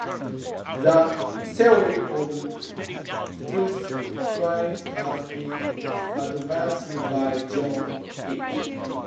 The theory of truth claims has been advanced by John Hick.